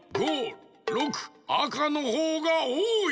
あかのほうがおおい。